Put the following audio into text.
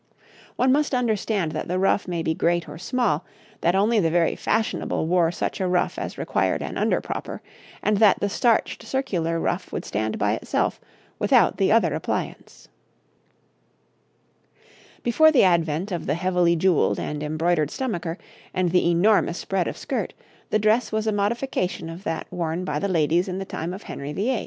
One must understand that the ruff may be great or small, that only the very fashionable wore such a ruff as required an underpropper, and that the starched circular ruff would stand by itself without the other appliance. [Illustration: {Twelve types of head dress and collar or ruff for women}] Before the advent of the heavily jewelled and embroidered stomacher, and the enormous spread of skirt, the dress was a modification of that worn by the ladies in the time of Henry VIII.